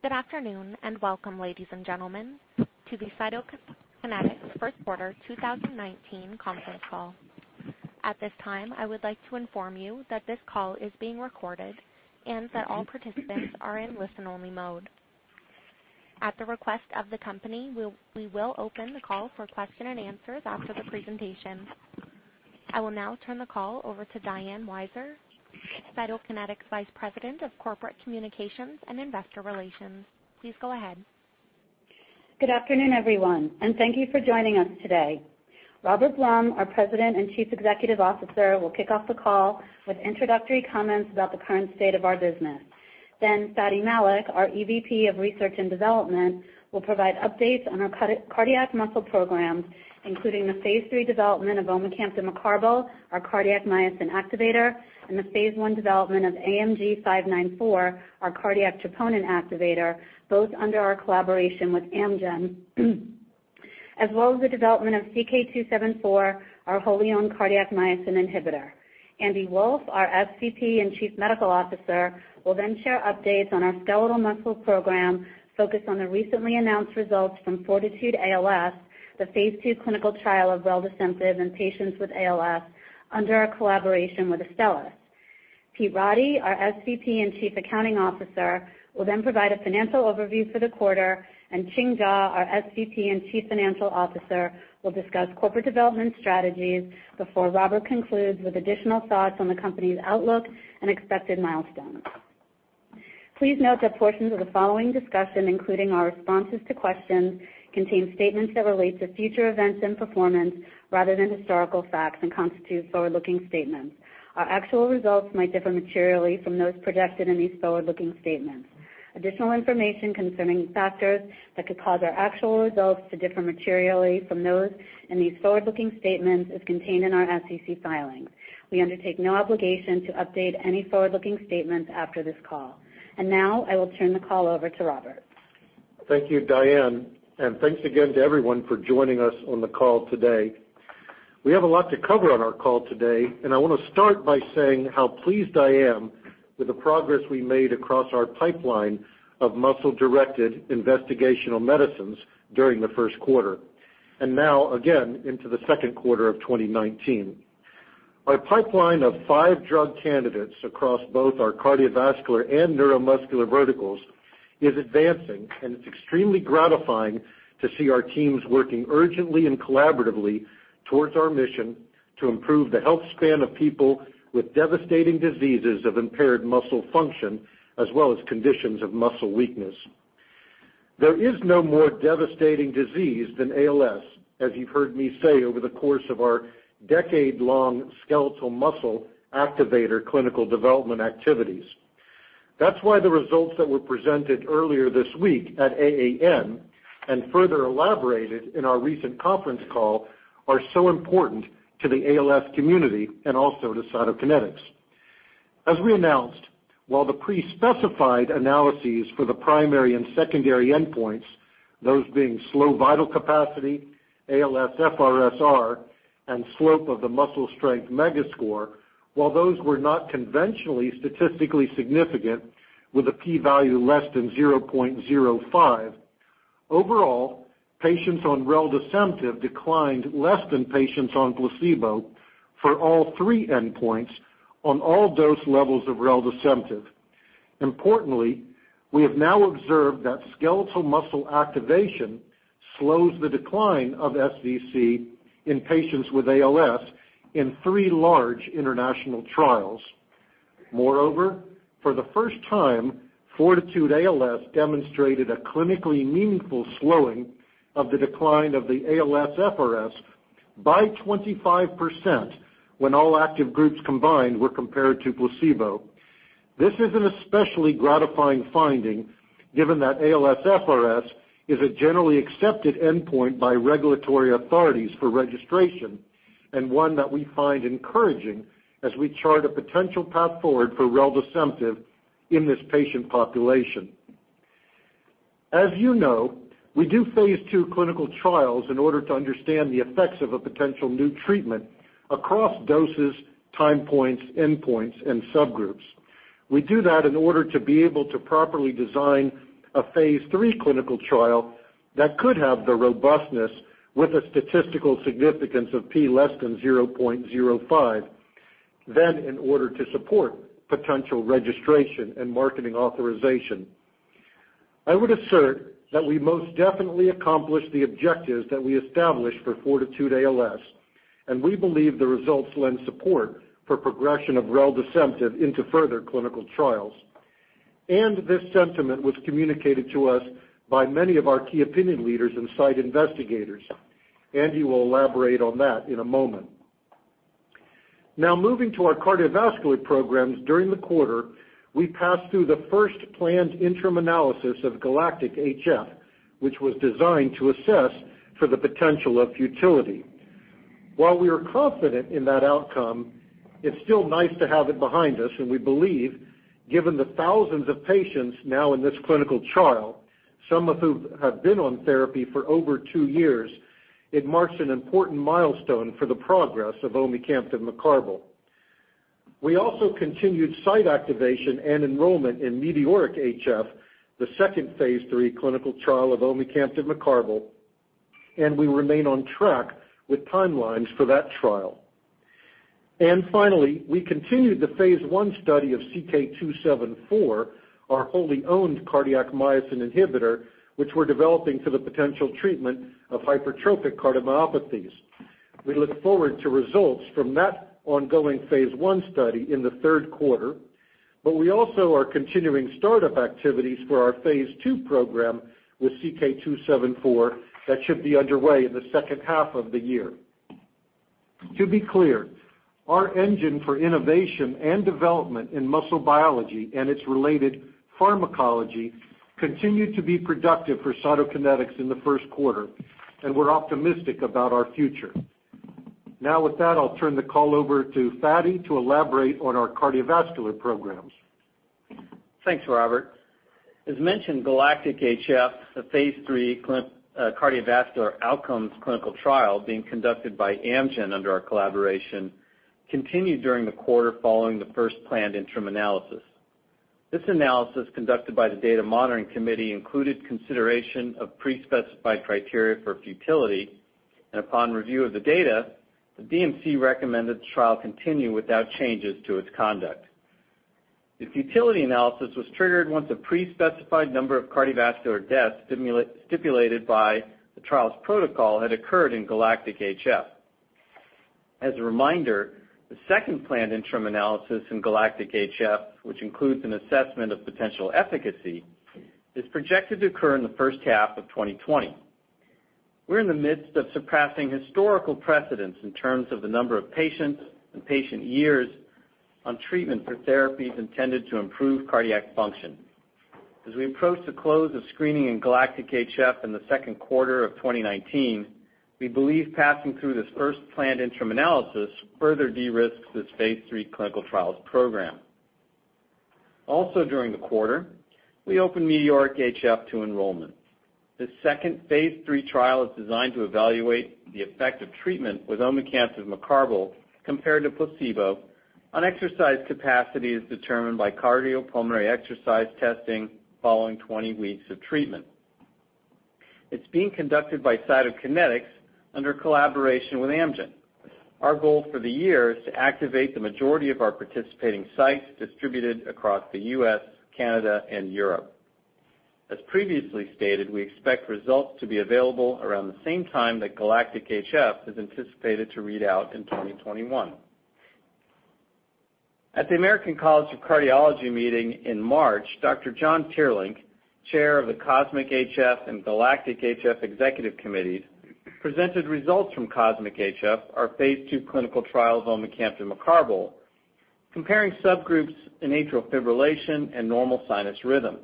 Good afternoon, welcome, ladies and gentlemen, to the Cytokinetics First Quarter 2019 Conference Call. At this time, I would like to inform you that this call is being recorded and that all participants are in listen-only mode. At the request of the company, we will open the call for question and answers after the presentation. I will now turn the call over to Diane Weiser, Cytokinetics' Vice President of Corporate Communications and Investor Relations. Please go ahead. Good afternoon, everyone, thank you for joining us today. Robert Blum, our President and Chief Executive Officer, will kick off the call with introductory comments about the current state of our business. Fady Malik, our Executive Vice President, Research & Development, will provide updates on our cardiac muscle programs, including the phase III development of omecamtiv mecarbil, our cardiac myosin activator, and the phase I development of AMG 594, our cardiac troponin activator, both under our collaboration with Amgen, as well as the development of CK 274, our wholly owned cardiac myosin inhibitor. Andy Wolff, our Senior Vice President and Chief Medical Officer, will then share updates on our skeletal muscle program focused on the recently announced results from FORTITUDE-ALS, the phase II clinical trial of reldesemtiv in patients with ALS under our collaboration with Astellas. Pete Roddy, our Senior Vice President and Chief Accounting Officer, will then provide a financial overview for the quarter, Ching Jaw, our Senior Vice President and Chief Financial Officer, will discuss corporate development strategies before Robert concludes with additional thoughts on the company's outlook and expected milestones. Please note that portions of the following discussion, including our responses to questions, contain statements that relate to future events and performance rather than historical facts and constitute forward-looking statements. Our actual results might differ materially from those projected in these forward-looking statements. Additional information concerning factors that could cause our actual results to differ materially from those in these forward-looking statements is contained in our SEC filings. We undertake no obligation to update any forward-looking statements after this call. Now I will turn the call over to Robert. Thank you, Diane, thanks again to everyone for joining us on the call today. We have a lot to cover on our call today, I want to start by saying how pleased I am with the progress we made across our pipeline of muscle-directed investigational medicines during the first quarter, now again into the second quarter of 2019. Our pipeline of five drug candidates across both our cardiovascular and neuromuscular verticals is advancing, it's extremely gratifying to see our teams working urgently and collaboratively towards our mission to improve the health span of people with devastating diseases of impaired muscle function as well as conditions of muscle weakness. There is no more devastating disease than ALS, as you've heard me say over the course of our decade-long skeletal muscle activator clinical development activities. That's why the results that were presented earlier this week at AAN and further elaborated in our recent conference call are so important to the ALS community and also to Cytokinetics. As we announced, while the pre-specified analyses for the primary and secondary endpoints, those being slow vital capacity, ALSFRS-R, and slope of the muscle strength mega score, while those were not conventionally statistically significant with a P value less than 0.05, overall, patients on reldesemtiv declined less than patients on placebo for all three endpoints on all dose levels of reldesemtiv. Importantly, we have now observed that skeletal muscle activation slows the decline of SVC in patients with ALS in three large international trials. Moreover, for the first time, FORTITUDE-ALS demonstrated a clinically meaningful slowing of the decline of the ALSFRS by 25% when all active groups combined were compared to placebo. This is an especially gratifying finding given that ALSFRS is a generally accepted endpoint by regulatory authorities for registration and one that we find encouraging as we chart a potential path forward for reldesemtiv in this patient population. As you know, we do phase II clinical trials in order to understand the effects of a potential new treatment across doses, time points, endpoints, and subgroups. We do that in order to be able to properly design a phase III clinical trial that could have the robustness with a statistical significance of P less than 0.05 then in order to support potential registration and marketing authorization. I would assert that we most definitely accomplished the objectives that we established for FORTITUDE-ALS, and we believe the results lend support for progression of reldesemtiv into further clinical trials. This sentiment was communicated to us by many of our key opinion leaders and site investigators. Andy will elaborate on that in a moment. Now moving to our cardiovascular programs during the quarter, we passed through the first planned interim analysis of GALACTIC-HF, which was designed to assess for the potential of futility. While we are confident in that outcome, it's still nice to have it behind us, we believe, given the thousands of patients now in this clinical trial, some of who have been on therapy for over two years, it marks an important milestone for the progress of omecamtiv mecarbil. We also continued site activation and enrollment in METEORIC-HF, the second phase III clinical trial of omecamtiv mecarbil, we remain on track with timelines for that trial. Finally, we continued the phase I study of CK274, our wholly owned cardiac myosin inhibitor, which we're developing for the potential treatment of hypertrophic cardiomyopathies. We look forward to results from that ongoing phase I study in the third quarter, we also are continuing start-up activities for our phase II program with CK274 that should be underway in the second half of the year. To be clear, our engine for innovation and development in muscle biology and its related pharmacology continued to be productive for Cytokinetics in the first quarter, we're optimistic about our future. Now with that, I'll turn the call over to Fady to elaborate on our cardiovascular programs. Thanks, Robert. As mentioned, GALACTIC-HF, the phase III cardiovascular outcomes clinical trial being conducted by Amgen under our collaboration, continued during the quarter following the first planned interim analysis. This analysis, conducted by the Data Monitoring Committee, included consideration of pre-specified criteria for futility, and upon review of the data, the DMC recommended the trial continue without changes to its conduct. The futility analysis was triggered once a pre-specified number of cardiovascular deaths stipulated by the trial's protocol had occurred in GALACTIC-HF. As a reminder, the second planned interim analysis in GALACTIC-HF, which includes an assessment of potential efficacy, is projected to occur in the first half of 2020. We're in the midst of surpassing historical precedents in terms of the number of patients and patient years on treatment for therapies intended to improve cardiac function. As we approach the close of screening in GALACTIC-HF in the second quarter of 2019, we believe passing through this first planned interim analysis further de-risks this phase III clinical trials program. Also during the quarter, we opened METEORIC-HF to enrollment. This second phase III trial is designed to evaluate the effect of treatment with omecamtiv mecarbil compared to placebo on exercise capacity as determined by cardiopulmonary exercise testing following 20 weeks of treatment. It's being conducted by Cytokinetics under collaboration with Amgen. Our goal for the year is to activate the majority of our participating sites distributed across the U.S., Canada, and Europe. As previously stated, we expect results to be available around the same time that GALACTIC-HF is anticipated to read out in 2021. At the American College of Cardiology meeting in March, Dr. John Teerlink, Chair of the COSMIC-HF and GALACTIC-HF Executive Committees, presented results from COSMIC-HF, our phase II clinical trial of omecamtiv mecarbil, comparing subgroups in atrial fibrillation and normal sinus rhythm.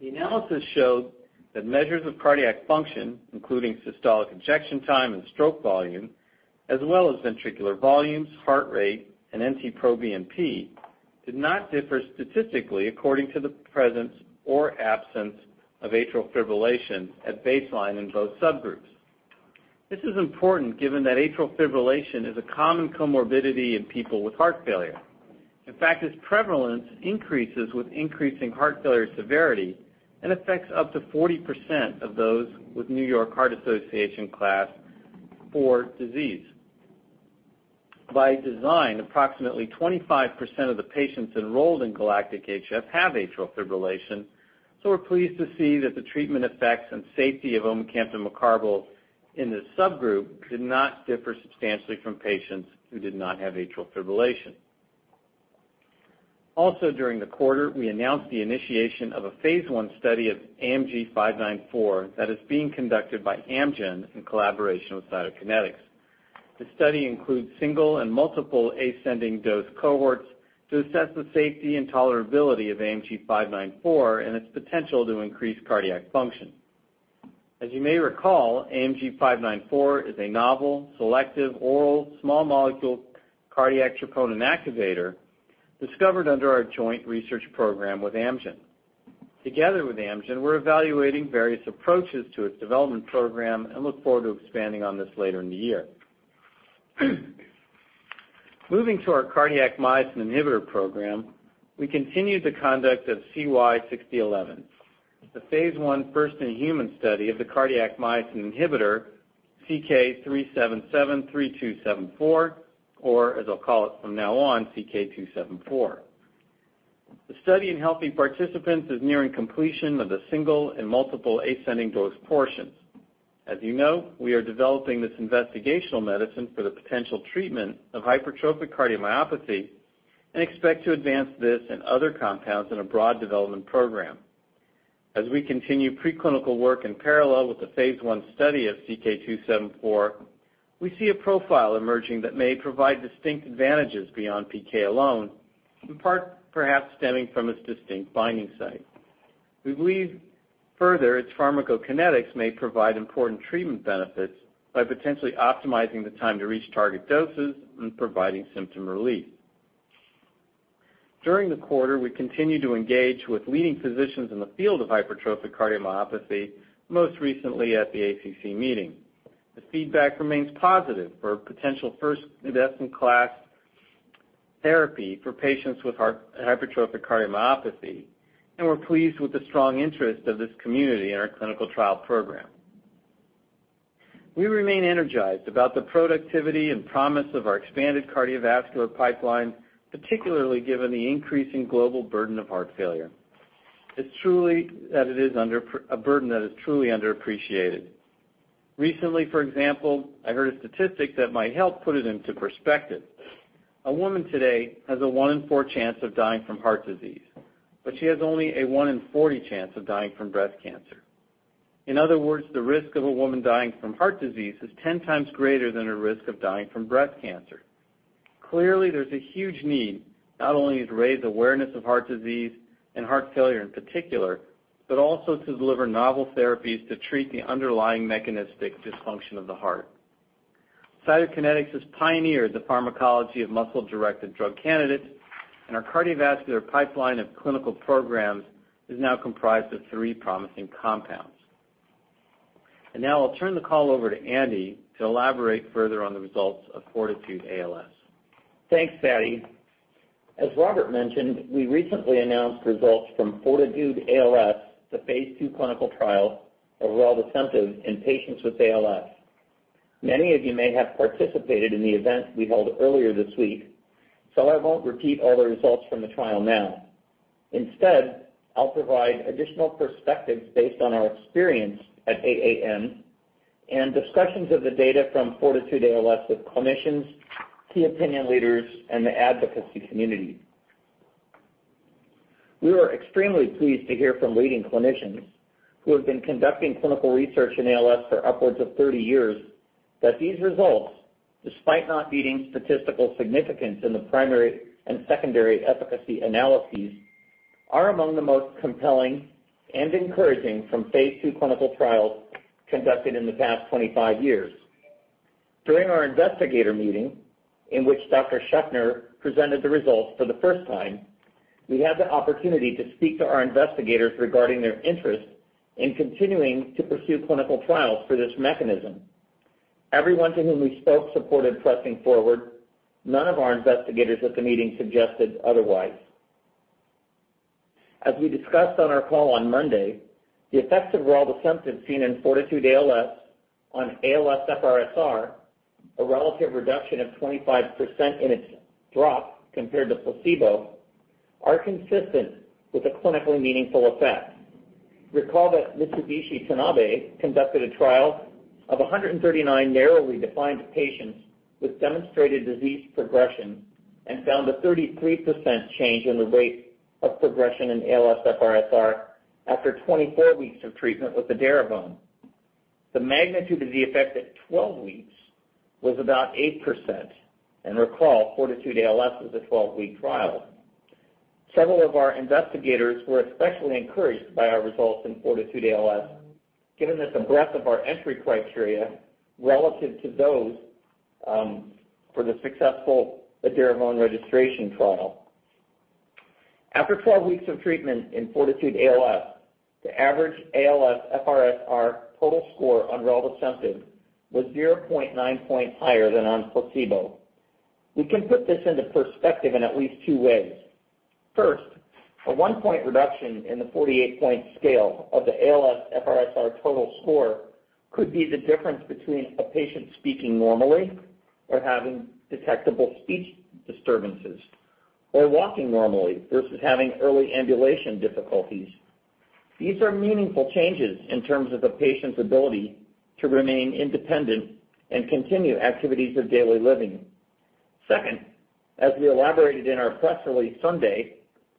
The analysis showed that measures of cardiac function, including systolic ejection time and stroke volume, as well as ventricular volumes, heart rate, and NT-proBNP, did not differ statistically according to the presence or absence of atrial fibrillation at baseline in both subgroups. This is important given that atrial fibrillation is a common comorbidity in people with heart failure. In fact, its prevalence increases with increasing heart failure severity and affects up to 40% of those with New York Heart Association Class IV disease. By design, approximately 25% of the patients enrolled in GALACTIC-HF have atrial fibrillation, so we're pleased to see that the treatment effects and safety of omecamtiv mecarbil in this subgroup did not differ substantially from patients who did not have atrial fibrillation. Also during the quarter, we announced the initiation of a phase I study of AMG-594 that is being conducted by Amgen in collaboration with Cytokinetics. The study includes single and multiple ascending-dose cohorts to assess the safety and tolerability of AMG-594 and its potential to increase cardiac function. As you may recall, AMG-594 is a novel, selective, oral, small molecule cardiac troponin activator discovered under our joint research program with Amgen. Together with Amgen, we're evaluating various approaches to its development program and look forward to expanding on this later in the year. Moving to our cardiac myosin inhibitor program, we continued the conduct of CY6011, the phase I first-in-human study of the cardiac myosin inhibitor CK-3773274, or as I'll call it from now on, CK274. The study in healthy participants is nearing completion of the single and multiple ascending-dose portions. As you know, we are developing this investigational medicine for the potential treatment of hypertrophic cardiomyopathy and expect to advance this and other compounds in a broad development program. As we continue preclinical work in parallel with the phase I study of CK274, we see a profile emerging that may provide distinct advantages beyond PK alone, in part perhaps stemming from its distinct binding site. We believe, further, its pharmacokinetics may provide important treatment benefits by potentially optimizing the time to reach target doses and providing symptom relief. During the quarter, we continued to engage with leading physicians in the field of hypertrophic cardiomyopathy, most recently at the ACC meeting. The feedback remains positive for a potential first-in-class therapy for patients with hypertrophic cardiomyopathy, and we're pleased with the strong interest of this community in our clinical trial program. We remain energized about the productivity and promise of our expanded cardiovascular pipeline, particularly given the increasing global burden of heart failure. It's a burden that is truly underappreciated. Recently, for example, I heard a statistic that might help put it into perspective. A woman today has a one in four chance of dying from heart disease, but she has only a one in 40 chance of dying from breast cancer. In other words, the risk of a woman dying from heart disease is 10 times greater than her risk of dying from breast cancer. Clearly, there's a huge need not only to raise awareness of heart disease and heart failure in particular, but also to deliver novel therapies to treat the underlying mechanistic dysfunction of the heart. Cytokinetics has pioneered the pharmacology of muscle-directed drug candidates, and our cardiovascular pipeline of clinical programs is now comprised of three promising compounds. Now I'll turn the call over to Andy to elaborate further on the results of FORTITUDE-ALS. Thanks, Patty. As Robert mentioned, we recently announced results from FORTITUDE-ALS, the phase II clinical trial of reldesemtiv in patients with ALS. Many of you may have participated in the event we held earlier this week, so I won't repeat all the results from the trial now. Instead, I'll provide additional perspectives based on our experience at AAN and discussions of the data from FORTITUDE-ALS with clinicians, key opinion leaders, and the advocacy community. We were extremely pleased to hear from leading clinicians who have been conducting clinical research in ALS for upwards of 30 years, that these results, despite not meeting statistical significance in the primary and secondary efficacy analyses, are among the most compelling and encouraging from phase II clinical trials conducted in the past 25 years. During our investigator meeting, in which Dr. Shefner presented the results for the first time, we had the opportunity to speak to our investigators regarding their interest in continuing to pursue clinical trials for this mechanism. Everyone to whom we spoke supported pressing forward. None of our investigators at the meeting suggested otherwise. As we discussed on our call on Monday, the effects of reldesemtiv seen in FORTITUDE-ALS on ALSFRS-R, a relative reduction of 25% in its drop compared to placebo, are consistent with a clinically meaningful effect. Recall that Mitsubishi Tanabe conducted a trial of 139 narrowly defined patients with demonstrated disease progression and found a 33% change in the rate of progression in ALSFRS-R after 24 weeks of treatment with edaravone. The magnitude of the effect at 12 weeks was about 8%, and recall, FORTITUDE-ALS was a 12-week trial. Several of our investigators were especially encouraged by our results in FORTITUDE-ALS, given the breadth of our entry criteria relative to those for the successful edaravone registration trial. After 12 weeks of treatment in FORTITUDE-ALS, the average ALSFRS-R total score on reldesemtiv was 0.9 points higher than on placebo. We can put this into perspective in at least two ways. First, a one-point reduction in the 48-point scale of the ALSFRS-R total score could be the difference between a patient speaking normally or having detectable speech disturbances or walking normally versus having early ambulation difficulties. These are meaningful changes in terms of the patient's ability to remain independent and continue activities of daily living. Second, as we elaborated in our press release Sunday,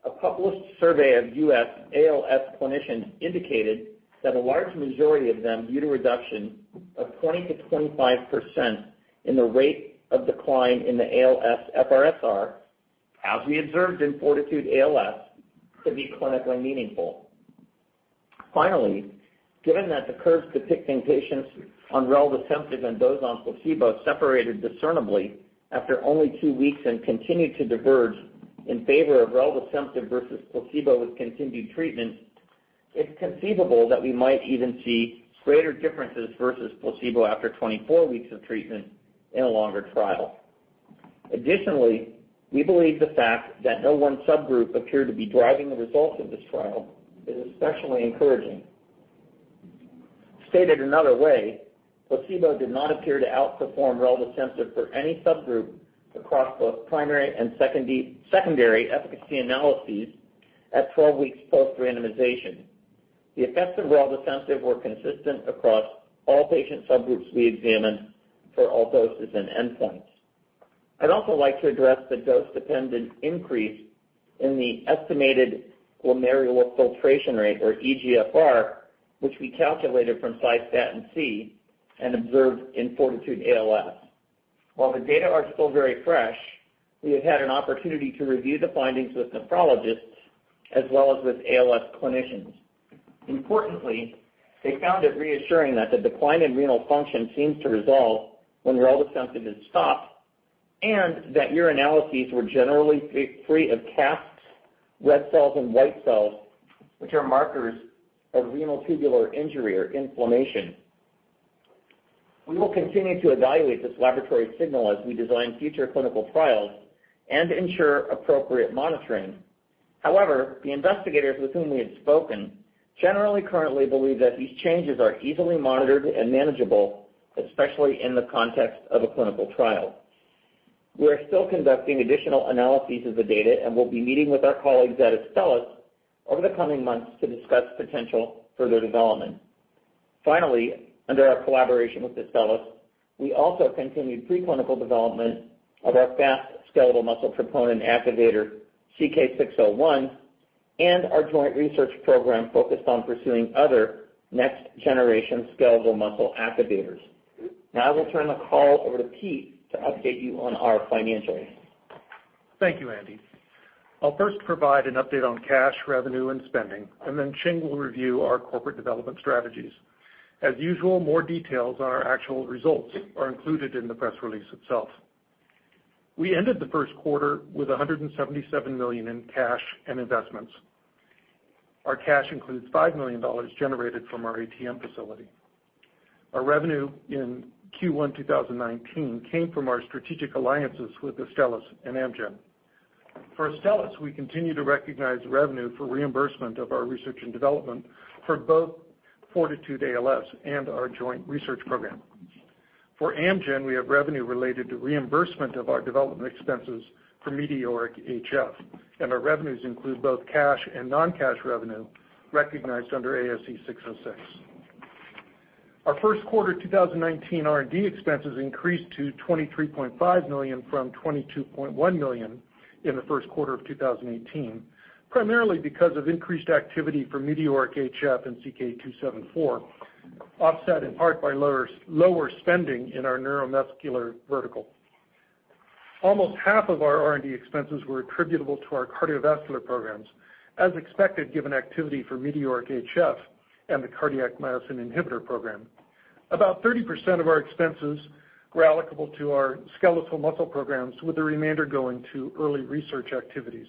a published survey of U.S. ALS clinicians indicated that a large majority of them view the reduction of 20%-25% in the rate of decline in the ALSFRS-R, as we observed in FORTITUDE-ALS, to be clinically meaningful. Given that the curves depicting patients on reldesemtiv and those on placebo separated discernibly after only two weeks and continued to diverge in favor of reldesemtiv versus placebo with continued treatment, it's conceivable that we might even see greater differences versus placebo after 24 weeks of treatment in a longer trial. We believe the fact that no one subgroup appeared to be driving the results of this trial is especially encouraging. Stated another way, placebo did not appear to outperform reldesemtiv for any subgroup across both primary and secondary efficacy analyses at 12 weeks post-randomization. The effects of reldesemtiv were consistent across all patient subgroups we examined for all doses and endpoints. I'd also like to address the dose-dependent increase in the estimated glomerular filtration rate, or eGFR, which we calculated from cystatin C and observed in FORTITUDE-ALS. The data are still very fresh, we have had an opportunity to review the findings with nephrologists as well as with ALS clinicians. Importantly, they found it reassuring that the decline in renal function seems to resolve when reldesemtiv is stopped, and that urinalyses were generally free of casts, red cells, and white cells, which are markers of renal tubular injury or inflammation. We will continue to evaluate this laboratory signal as we design future clinical trials and ensure appropriate monitoring. However, the investigators with whom we have spoken generally currently believe that these changes are easily monitored and manageable, especially in the context of a clinical trial. We are still conducting additional analyses of the data and will be meeting with our colleagues at Astellas over the coming months to discuss potential further development. Finally, under our collaboration with Astellas, we also continued pre-clinical development of our fast skeletal muscle troponin activator, CK-601, and our joint research program focused on pursuing other next-generation skeletal muscle activators. Now I will turn the call over to Pete to update you on our financials. Thank you, Andy. I'll first provide an update on cash, revenue and spending. Ching will review our corporate development strategies. As usual, more details on our actual results are included in the press release itself. We ended the first quarter with $177 million in cash and investments. Our cash includes $5 million generated from our ATM facility. Our revenue in Q1 2019 came from our strategic alliances with Astellas and Amgen. For Astellas, we continue to recognize revenue for reimbursement of our research and development for both FORTITUDE-ALS and our joint research program. For Amgen, we have revenue related to reimbursement of our development expenses for METEORIC-HF, and our revenues include both cash and non-cash revenue recognized under ASC 606. Our first quarter 2019 R&D expenses increased to $23.5 million from $22.1 million in the first quarter of 2018, primarily because of increased activity for METEORIC-HF and CK274, offset in part by lower spending in our neuromuscular vertical. Almost half of our R&D expenses were attributable to our cardiovascular programs, as expected, given activity for METEORIC-HF and the cardiac myosin inhibitor program. About 30% of our expenses were allocable to our skeletal muscle programs, with the remainder going to early research activities.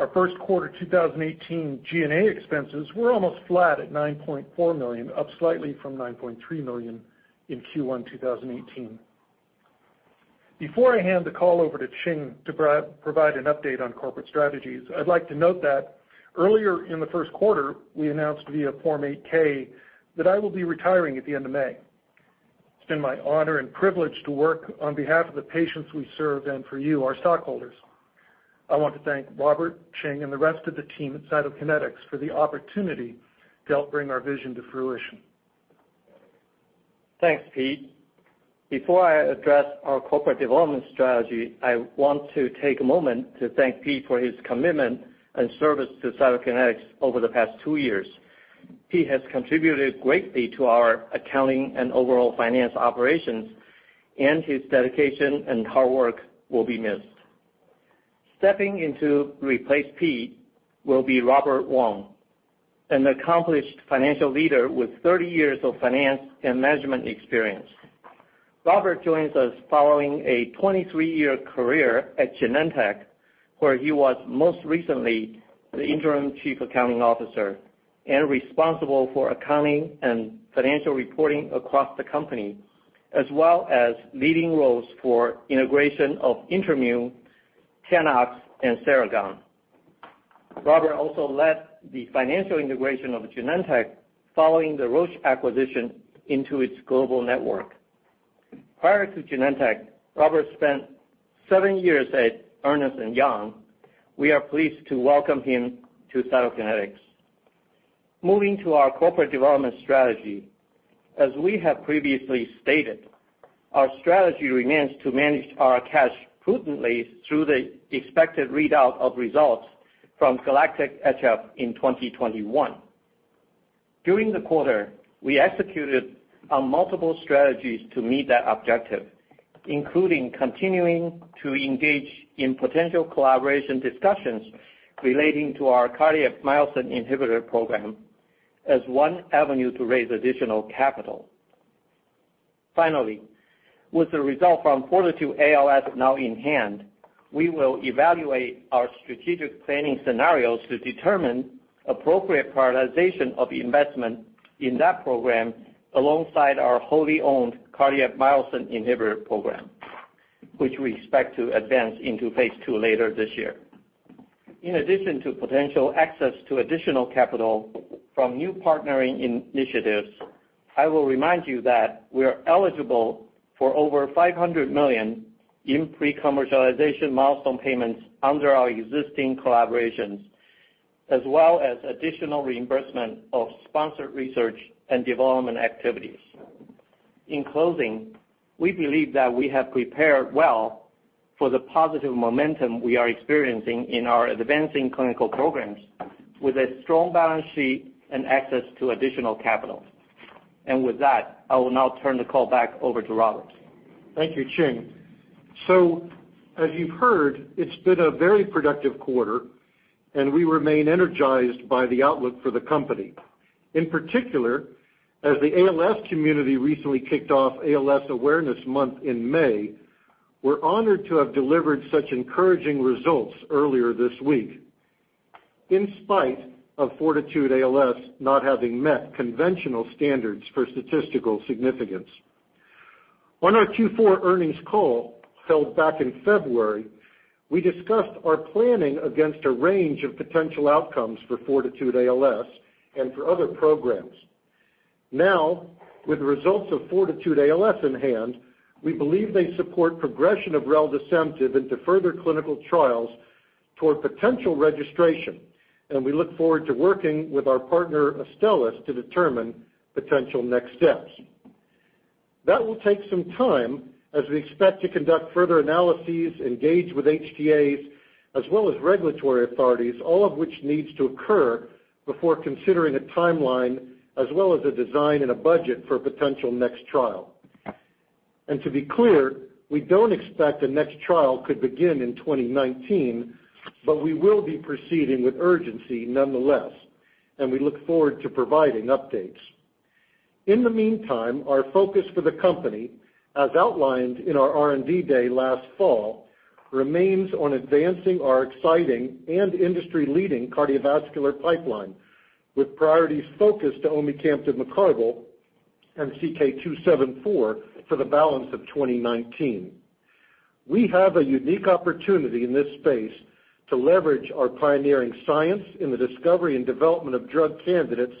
Our first quarter 2018 G&A expenses were almost flat at $9.4 million, up slightly from $9.3 million in Q1 2018. Before I hand the call over to Ching to provide an update on corporate strategies, I'd like to note that earlier in the first quarter, we announced via Form 8-K that I will be retiring at the end of May. It's been my honor and privilege to work on behalf of the patients we serve and for you, our stockholders. I want to thank Robert, Ching, and the rest of the team at Cytokinetics for the opportunity to help bring our vision to fruition. Thanks, Pete. Before I address our corporate development strategy, I want to take a moment to thank Pete for his commitment and service to Cytokinetics over the past two years. Pete has contributed greatly to our accounting and overall finance operations, and his dedication and hard work will be missed. Stepping in to replace Pete will be Robert Wong, an accomplished financial leader with 30 years of finance and management experience. Robert joins us following a 23-year career at Genentech, where he was most recently the interim chief accounting officer and responsible for accounting and financial reporting across the company, as well as leading roles for integration of InterMune, Tanox, and Seragon. Robert also led the financial integration of Genentech following the Roche acquisition into its global network. Prior to Genentech, Robert spent seven years at Ernst & Young. We are pleased to welcome him to Cytokinetics. Moving to our corporate development strategy. As we have previously stated, our strategy remains to manage our cash prudently through the expected readout of results from GALACTIC-HF in 2021. During the quarter, we executed on multiple strategies to meet that objective, including continuing to engage in potential collaboration discussions relating to our cardiac myosin inhibitor program as one avenue to raise additional capital. Finally, with the result from FORTITUDE-ALS now in hand, we will evaluate our strategic planning scenarios to determine appropriate prioritization of investment in that program alongside our wholly owned cardiac myosin inhibitor program, which we expect to advance into phase II later this year. In addition to potential access to additional capital from new partnering initiatives, I will remind you that we are eligible for over $500 million in pre-commercialization milestone payments under our existing collaborations, as well as additional reimbursement of sponsored research and development activities. In closing, we believe that we have prepared well for the positive momentum we are experiencing in our advancing clinical programs with a strong balance sheet and access to additional capital. With that, I will now turn the call back over to Robert. Thank you, Ching. As you've heard, it's been a very productive quarter, and we remain energized by the outlook for the company. In particular, as the ALS community recently kicked off ALS Awareness Month in May, we're honored to have delivered such encouraging results earlier this week, in spite of FORTITUDE-ALS not having met conventional standards for statistical significance. On our Q4 earnings call held back in February, we discussed our planning against a range of potential outcomes for FORTITUDE-ALS and for other programs. With results of FORTITUDE-ALS in hand, we believe they support progression of reldesemtiv into further clinical trials toward potential registration, and we look forward to working with our partner, Astellas, to determine potential next steps. That will take some time as we expect to conduct further analyses, engage with HTAs, as well as regulatory authorities, all of which needs to occur before considering a timeline as well as a design and a budget for potential next trial. To be clear, we don't expect the next trial could begin in 2019, but we will be proceeding with urgency nonetheless, and we look forward to providing updates. In the meantime, our focus for the company, as outlined in our R&D Day last fall, remains on advancing our exciting and industry-leading cardiovascular pipeline, with priorities focused on omecamtiv mecarbil and CK274 for the balance of 2019. We have a unique opportunity in this space to leverage our pioneering science in the discovery and development of drug candidates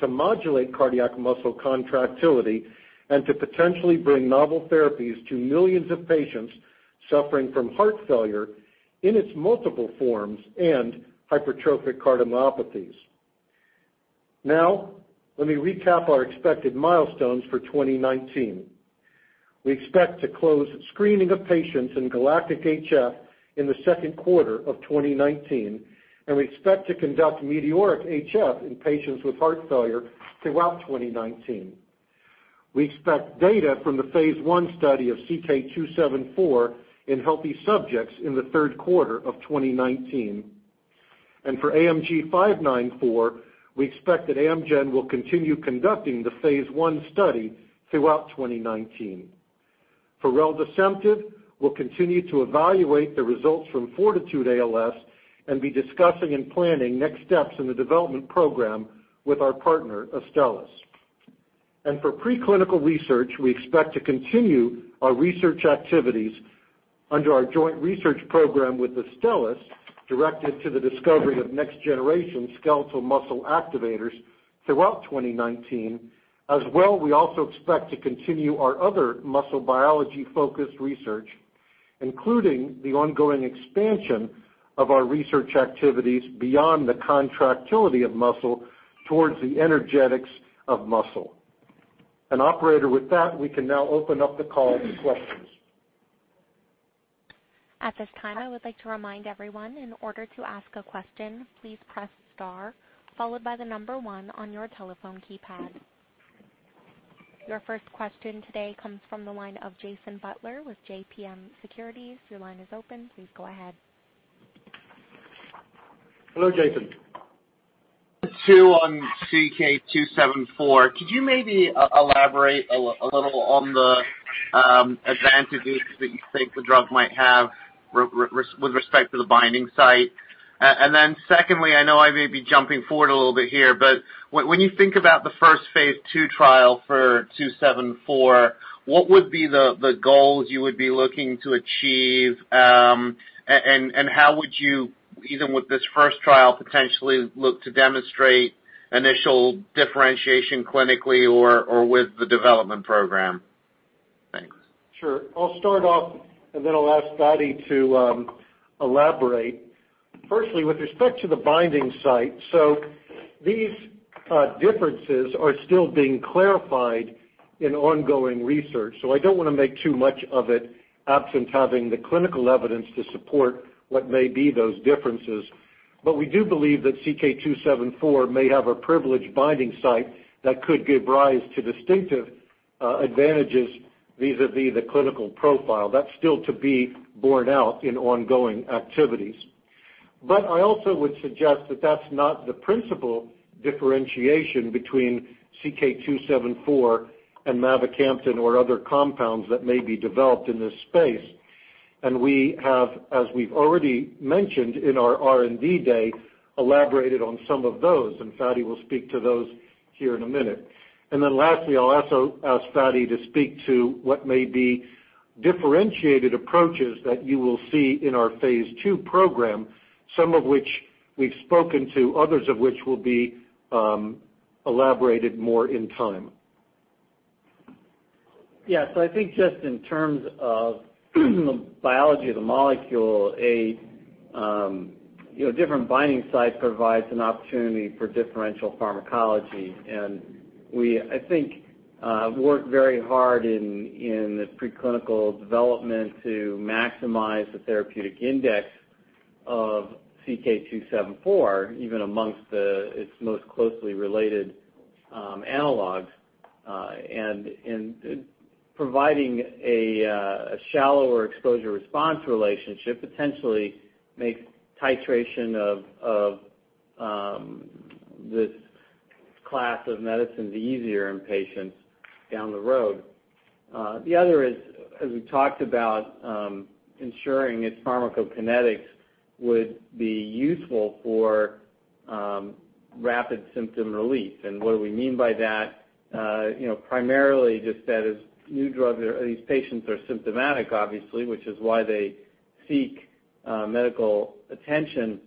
to modulate cardiac muscle contractility and to potentially bring novel therapies to millions of patients suffering from heart failure in its multiple forms and hypertrophic cardiomyopathies. Let me recap our expected milestones for 2019. We expect to close screening of patients in GALACTIC-HF in the second quarter of 2019. We expect to conduct METEORIC-HF in patients with heart failure throughout 2019. We expect data from the phase I study of CK274 in healthy subjects in the third quarter of 2019. For AMG 594, we expect that Amgen will continue conducting the phase I study throughout 2019. For reldesemtiv, we'll continue to evaluate the results from FORTITUDE-ALS and be discussing and planning next steps in the development program with our partner, Astellas. For preclinical research, we expect to continue our research activities under our joint research program with Astellas, directed to the discovery of next-generation skeletal muscle activators throughout 2019. As well, we also expect to continue our other muscle biology-focused research, including the ongoing expansion of our research activities beyond the contractility of muscle towards the energetics of muscle. Operator, with that, we can now open up the call to questions. At this time, I would like to remind everyone, in order to ask a question, please press star followed by the number 1 on your telephone keypad. Your first question today comes from the line of Jason Butler with JMP Securities. Your line is open. Please go ahead. Hello, Jason. Two on CK274. Could you maybe elaborate a little on the advantages that you think the drug might have with respect to the binding site? Secondly, I know I may be jumping forward a little bit here, but when you think about the first phase II trial for 274, what would be the goals you would be looking to achieve, and how would you, even with this first trial, potentially look to demonstrate initial differentiation clinically or with the development program? Thanks. Sure. I'll start off, I'll ask Fady to elaborate. Firstly, with respect to the binding site, these differences are still being clarified in ongoing research, I don't want to make too much of it absent having the clinical evidence to support what may be those differences. We do believe that CK274 may have a privileged binding site that could give rise to distinctive advantages vis-à-vis the clinical profile. That's still to be borne out in ongoing activities. I also would suggest that that's not the principal differentiation between CK274 and mavacamten or other compounds that may be developed in this space. We have, as we've already mentioned in our R&D Day, elaborated on some of those, and Fady will speak to those here in a minute. Lastly, I'll also ask Fady to speak to what may be differentiated approaches that you will see in our phase II program, some of which we've spoken to, others of which will be elaborated more in time. I think just in terms of the biology of the molecule, a different binding site provides an opportunity for differential pharmacology. We, I think, worked very hard in the preclinical development to maximize the therapeutic index of CK 274, even amongst its most closely related analogs, providing a shallower exposure-response relationship potentially makes titration of this class of medicines easier in patients down the road. The other is, as we talked about, ensuring its pharmacokinetics would be useful for rapid symptom relief. What do we mean by that? Primarily just that these patients are symptomatic, obviously, which is why they seek medical attention.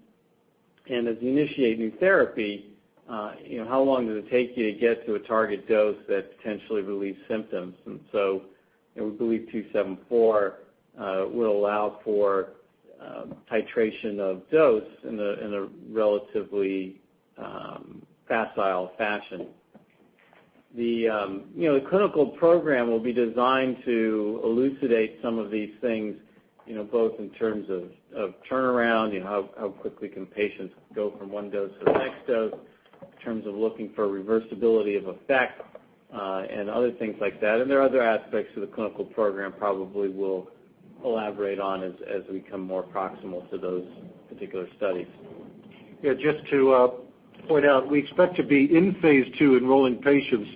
As you initiate new therapy, how long does it take you to get to a target dose that potentially relieves symptoms? We believe 274 will allow for titration of dose in a relatively facile fashion. The clinical program will be designed to elucidate some of these things, both in terms of turnaround, how quickly can patients go from one dose to the next dose, in terms of looking for reversibility of effect, and other things like that. There are other aspects to the clinical program probably we'll elaborate on as we come more proximal to those particular studies. Just to point out, we expect to be in phase II enrolling patients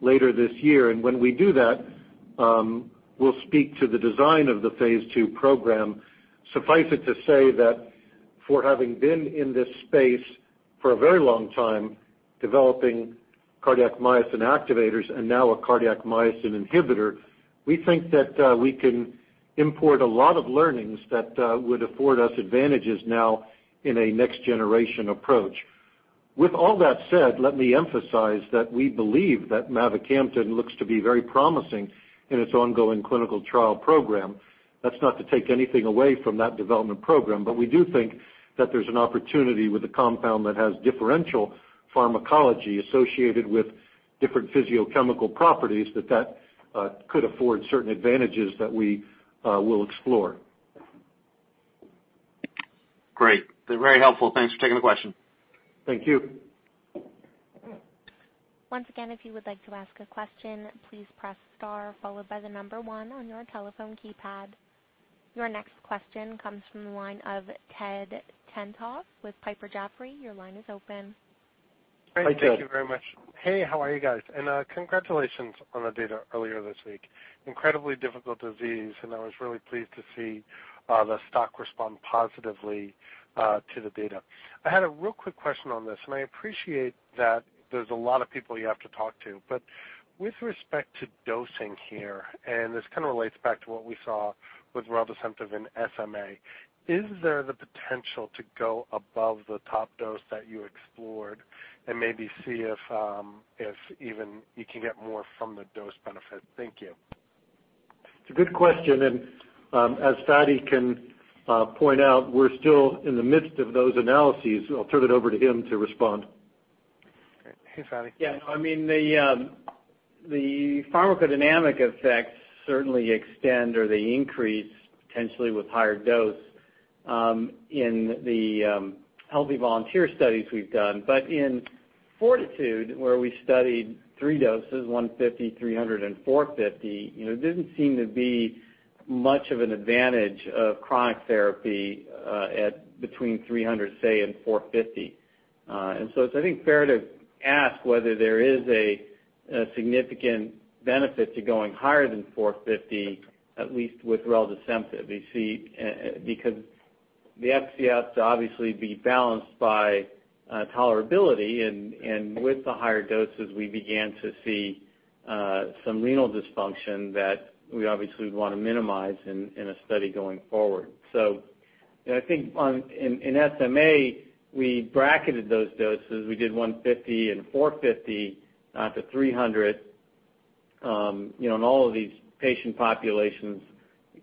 later this year. When we do that, we'll speak to the design of the phase II program. Suffice it to say that for having been in this space for a very long time, developing cardiac myosin activators and now a cardiac myosin inhibitor, we think that we can import a lot of learnings that would afford us advantages now in a next-generation approach. With all that said, let me emphasize that we believe that mavacamten looks to be very promising in its ongoing clinical trial program. That's not to take anything away from that development program. We do think that there's an opportunity with a compound that has differential pharmacology associated with different physiochemical properties that could afford certain advantages that we will explore. Great. Very helpful. Thanks for taking the question. Thank you. Once again, if you would like to ask a question, please press star followed by the number 1 on your telephone keypad. Your next question comes from the line of Ted Tenthoff with Piper Jaffray. Your line is open. Hi, Ted. Thank you very much. Hey, how are you guys? Congratulations on the data earlier this week. Incredibly difficult disease, and I was really pleased to see the stock respond positively to the data. I had a real quick question on this, and I appreciate that there's a lot of people you have to talk to. With respect to dosing here, and this kind of relates back to what we saw with reldesemtiv in SMA, is there the potential to go above the top dose that you explored and maybe see if even you can get more from the dose benefit? Thank you. It's a good question. As Fady can point out, we're still in the midst of those analyses. I'll turn it over to him to respond. Hey, Fady. Yeah. The pharmacodynamic effects certainly extend or they increase potentially with higher dose in the healthy volunteer studies we've done. In FORTITUDE, where we studied three doses, 150, 300, and 450, it didn't seem to be much of an advantage of chronic therapy at between 300, say, and 450. It's, I think, fair to ask whether there is a significant benefit to going higher than 450, at least with reldesemtiv. The FCS obviously be balanced by tolerability, and with the higher doses, we began to see some renal dysfunction that we obviously would want to minimize in a study going forward. I think in SMA, we bracketed those doses. We did 150 and 450, not the 300. In all of these patient populations,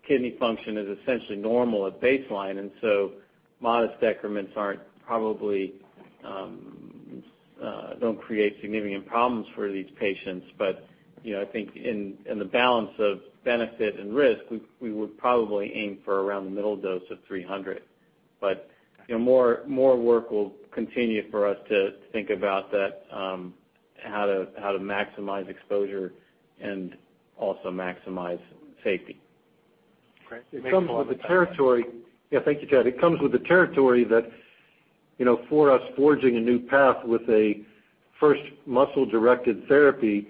kidney function is essentially normal at baseline, and so modest decrements probably don't create significant problems for these patients. I think in the balance of benefit and risk, we would probably aim for around the middle dose of 300. More work will continue for us to think about how to maximize exposure and also maximize safety. Great. Thanks a lot. Yeah, thank you, Ted. It comes with the territory that for us forging a new path with a first muscle-directed therapy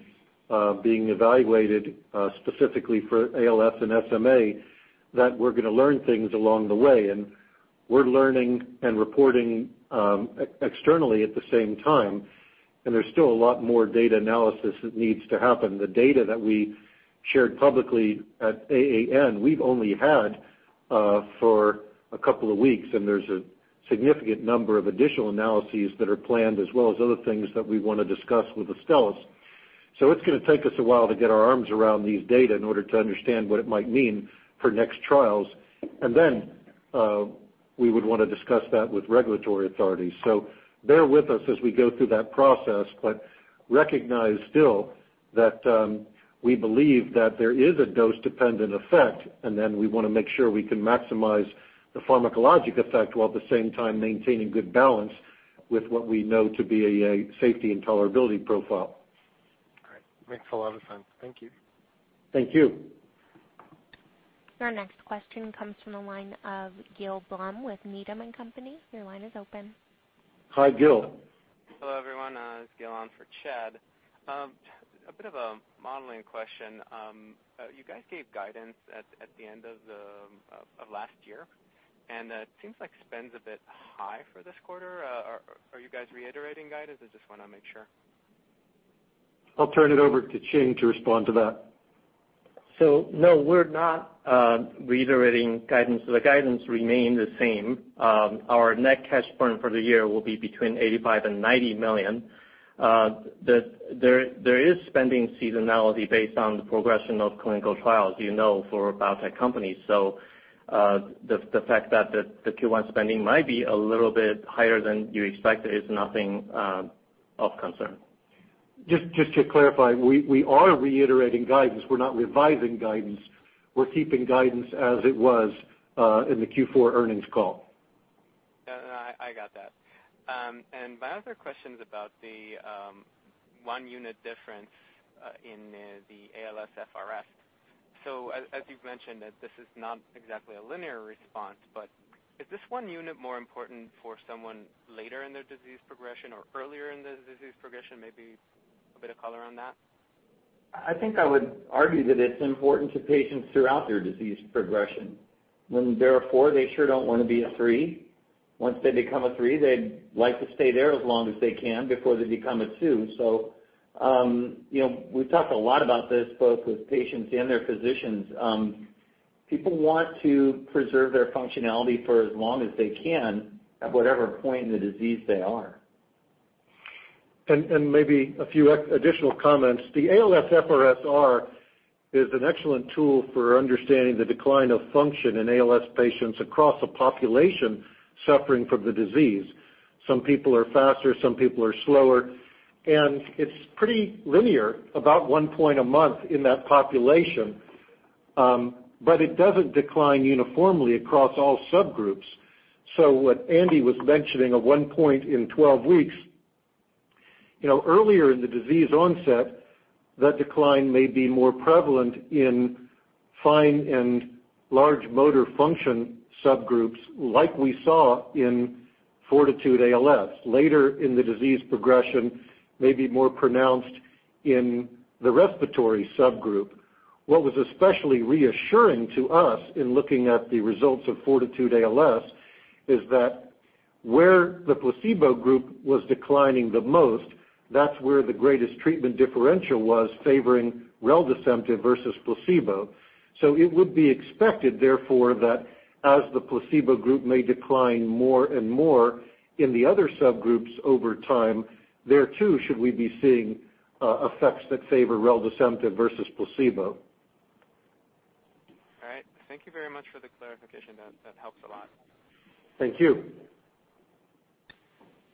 being evaluated specifically for ALS and SMA, that we're going to learn things along the way. We're learning and reporting externally at the same time, and there's still a lot more data analysis that needs to happen. The data that we shared publicly at AAN, we've only had for a couple of weeks, and there's a significant number of additional analyses that are planned as well as other things that we want to discuss with Astellas. It's going to take us a while to get our arms around these data in order to understand what it might mean for next trials. Then we would want to discuss that with regulatory authorities. Bear with us as we go through that process, but recognize still that we believe that there is a dose-dependent effect, we want to make sure we can maximize the pharmacologic effect while at the same time maintaining good balance with what we know to be a safety and tolerability profile. Great. Makes a lot of sense. Thank you. Thank you. Your next question comes from the line of Gil Blum with Needham & Company. Your line is open. Hi, Gil. Hello, everyone. It's Gil on for Chad. A bit of a modeling question. You guys gave guidance at the end of last year, and it seems like spend's a bit high for this quarter. Are you guys reiterating guidance? I just want to make sure. I'll turn it over to Ching to respond to that. No, we're not reiterating guidance. The guidance remain the same. Our net cash burn for the year will be between $85 million and $90 million. There is spending seasonality based on the progression of clinical trials, you know, for biotech companies. The fact that the Q1 spending might be a little bit higher than you expected is nothing of concern. Just to clarify, we are reiterating guidance. We're not revising guidance. We're keeping guidance as it was in the Q4 earnings call. My other question's about the one unit difference in the ALSFRS. As you've mentioned that this is not exactly a linear response, but is this one unit more important for someone later in their disease progression or earlier in the disease progression? Maybe a bit of color on that. I think I would argue that it's important to patients throughout their disease progression. When they're a four, they sure don't want to be a three. Once they become a three, they'd like to stay there as long as they can before they become a two. We've talked a lot about this both with patients and their physicians. People want to preserve their functionality for as long as they can at whatever point in the disease they are. Maybe a few additional comments. The ALSFRS-R is an excellent tool for understanding the decline of function in ALS patients across a population suffering from the disease. Some people are faster, some people are slower, and it's pretty linear, about one point a month in that population. It doesn't decline uniformly across all subgroups. What Andy was mentioning of one point in 12 weeks. Earlier in the disease onset, that decline may be more prevalent in fine and large motor function subgroups like we saw in FORTITUDE-ALS. Later in the disease progression may be more pronounced in the respiratory subgroup. What was especially reassuring to us in looking at the results of FORTITUDE-ALS is that where the placebo group was declining the most, that's where the greatest treatment differential was favoring reldesemtiv versus placebo. It would be expected, therefore, that as the placebo group may decline more and more in the other subgroups over time, there, too, should we be seeing effects that favor reldesemtiv versus placebo. All right. Thank you very much for the clarification. That helps a lot. Thank you.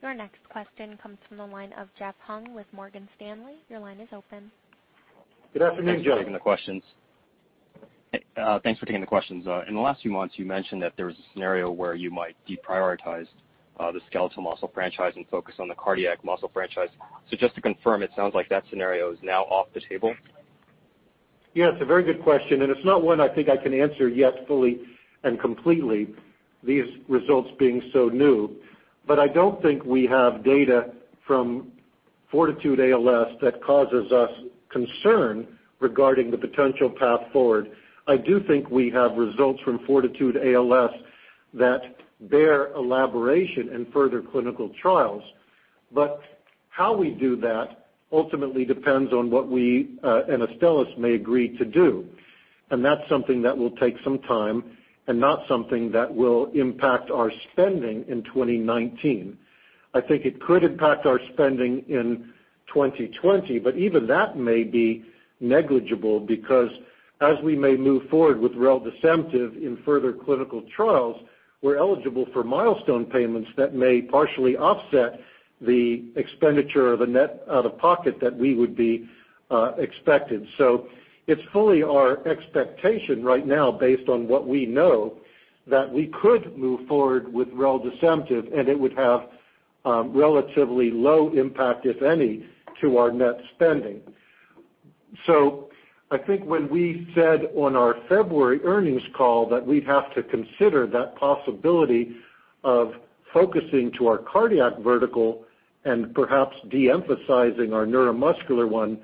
Your next question comes from the line of Jeffrey Hung with Morgan Stanley. Your line is open. Good afternoon, Jeff. Thanks for taking the questions. In the last few months, you mentioned that there was a scenario where you might deprioritize the skeletal muscle franchise and focus on the cardiac muscle franchise. Just to confirm, it sounds like that scenario is now off the table? Yeah, it's a very good question. It's not one I think I can answer yet fully and completely, these results being so new. I don't think we have data from FORTITUDE-ALS that causes us concern regarding the potential path forward. I do think we have results from FORTITUDE-ALS that bear elaboration in further clinical trials. How we do that ultimately depends on what we and Astellas may agree to do. That's something that will take some time and not something that will impact our spending in 2019. I think it could impact our spending in 2020, but even that may be negligible because as we may move forward with reldesemtiv in further clinical trials, we're eligible for milestone payments that may partially offset the expenditure of a net out-of-pocket that we would be expected. It's fully our expectation right now based on what we know that we could move forward with reldesemtiv and it would have relatively low impact, if any, to our net spending. I think when we said on our February earnings call that we'd have to consider that possibility of focusing to our cardiac vertical and perhaps de-emphasizing our neuromuscular one,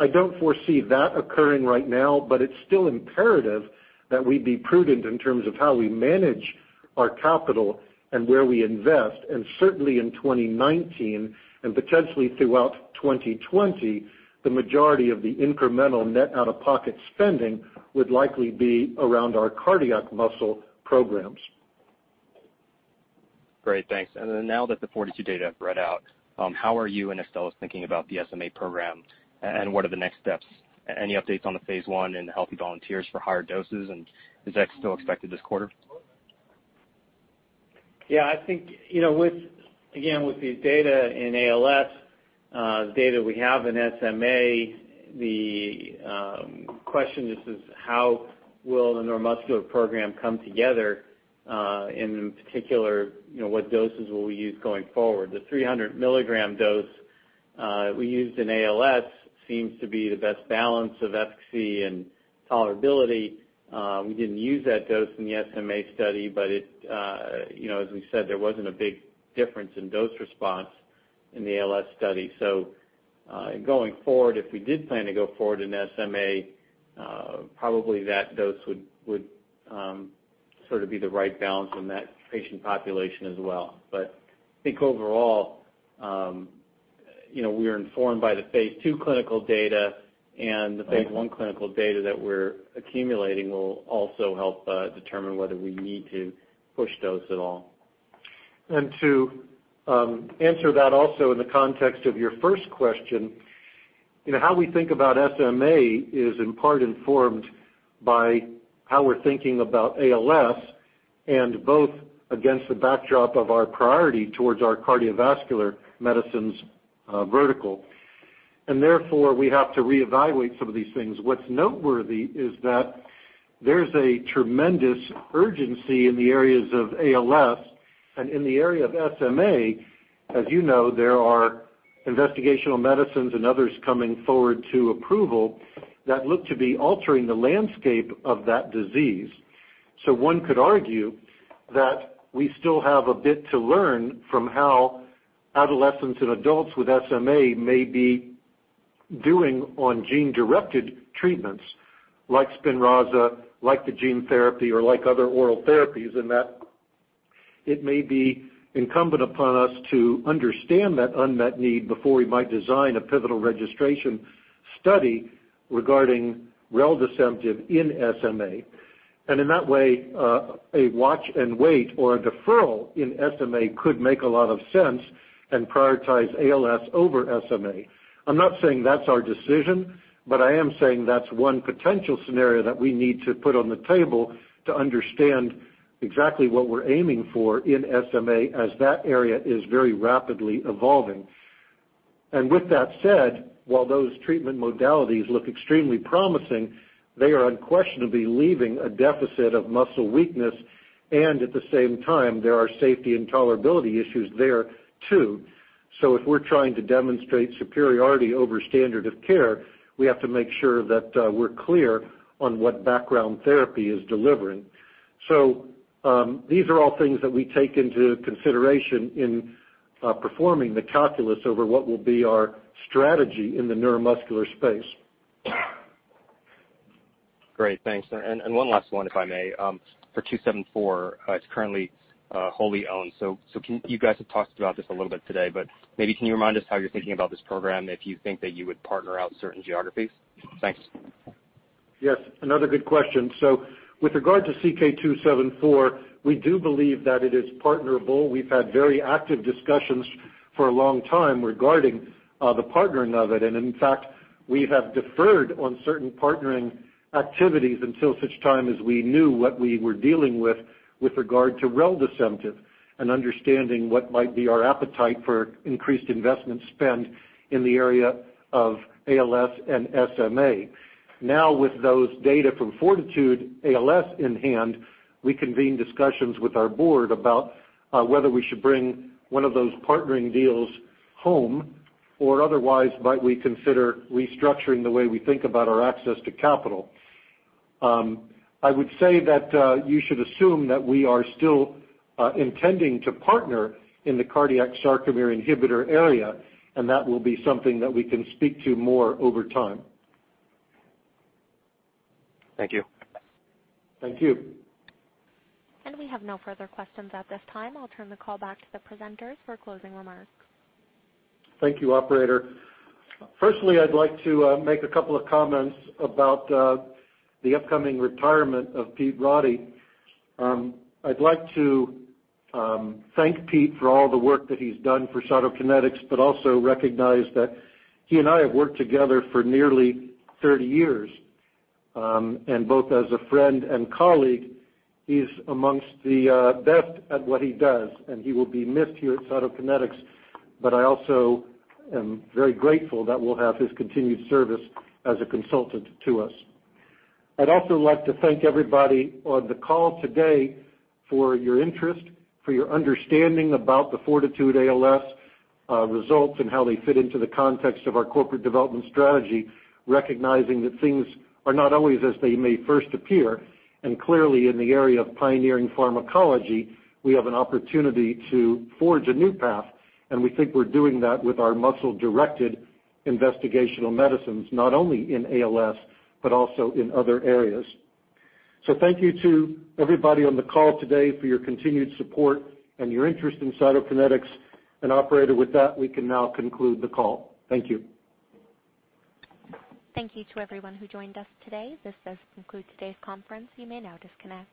I don't foresee that occurring right now, but it's still imperative that we be prudent in terms of how we manage our capital and where we invest. Certainly in 2019 and potentially throughout 2020, the majority of the incremental net out-of-pocket spending would likely be around our cardiac muscle programs. Great, thanks. Now that the FORTITUDE data have read out, how are you and Astellas thinking about the SMA program? What are the next steps? Any updates on the phase I and healthy volunteers for higher doses? Is that still expected this quarter? I think with the data in ALS, the data we have in SMA, the question is how will the neuromuscular program come together? In particular, what doses will we use going forward? The 300 mg dose we used in ALS seems to be the best balance of efficacy and tolerability. We didn't use that dose in the SMA study, as we said, there wasn't a big difference in dose response in the ALS study. Going forward, if we did plan to go forward in SMA, probably that dose would be the right balance in that patient population as well. I think overall, we are informed by the phase II clinical data, and the phase I clinical data that we're accumulating will also help determine whether we need to push dose at all. To answer that also in the context of your first question, how we think about SMA is in part informed by how we're thinking about ALS and both against the backdrop of our priority towards our cardiovascular medicines vertical. Therefore, we have to reevaluate some of these things. What's noteworthy is that there's a tremendous urgency in the areas of ALS and in the area of SMA. As you know, there are investigational medicines and others coming forward to approval that look to be altering the landscape of that disease. One could argue that we still have a bit to learn from how adolescents and adults with SMA may be doing on gene-directed treatments like SPINRAZA, like the gene therapy, or like other oral therapies, and that it may be incumbent upon us to understand that unmet need before we might design a pivotal registration study regarding reldesemtiv in SMA. In that way, a watch and wait or a deferral in SMA could make a lot of sense and prioritize ALS over SMA. I'm not saying that's our decision, I am saying that's one potential scenario that we need to put on the table to understand exactly what we're aiming for in SMA as that area is very rapidly evolving. With that said, while those treatment modalities look extremely promising, they are unquestionably leaving a deficit of muscle weakness, and at the same time, there are safety and tolerability issues there too. If we're trying to demonstrate superiority over standard of care, we have to make sure that we're clear on what background therapy is delivering. These are all things that we take into consideration in performing the calculus over what will be our strategy in the neuromuscular space. Great. Thanks. One last one, if I may. For 274, it is currently wholly owned. You guys have talked about this a little bit today, maybe can you remind us how you are thinking about this program if you think that you would partner out certain geographies? Thanks. Yes, another good question. With regard to CK-274, we do believe that it is partnerable. We have had very active discussions for a long time regarding the partnering of it. In fact, we have deferred on certain partnering activities until such time as we knew what we were dealing with regard to reldesemtiv and understanding what might be our appetite for increased investment spend in the area of ALS and SMA. With those data from FORTITUDE-ALS in hand, we convene discussions with our board about whether we should bring one of those partnering deals home, or otherwise might we consider restructuring the way we think about our access to capital. I would say that you should assume that we are still intending to partner in the cardiac sarcomere inhibitor area, and that will be something that we can speak to more over time. Thank you. Thank you. We have no further questions at this time. I'll turn the call back to the presenters for closing remarks. Thank you, operator. Firstly, I'd like to make a couple of comments about the upcoming retirement of Pete Roddy. I'd like to thank Pete for all the work that he's done for Cytokinetics, but also recognize that he and I have worked together for nearly 30 years. Both as a friend and colleague, he's amongst the best at what he does, and he will be missed here at Cytokinetics. I also am very grateful that we'll have his continued service as a consultant to us. I'd also like to thank everybody on the call today for your interest, for your understanding about the FORTITUDE-ALS results and how they fit into the context of our corporate development strategy, recognizing that things are not always as they may first appear. Clearly in the area of pioneering pharmacology, we have an opportunity to forge a new path, and we think we're doing that with our muscle-directed investigational medicines, not only in ALS but also in other areas. Thank you to everybody on the call today for your continued support and your interest in Cytokinetics. Operator, with that, we can now conclude the call. Thank you. Thank you to everyone who joined us today. This does conclude today's conference. You may now disconnect.